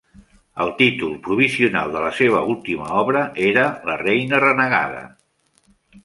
El títol provisional de la seva última obra era "La reina renegada".